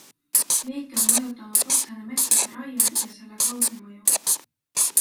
Liike on mõjutanud otsene metsade raie ja selle kaudne mõju.